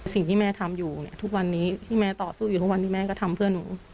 สิ่งที่แม่ทำอยู่เนี่ยทุกวันนี้ที่แม่ต่อสู้อยู่ทุกวันที่แม่ก็ทำเพื่อหนู